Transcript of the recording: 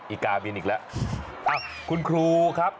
อีกอาบีนอีกแล้วคุณครูครับ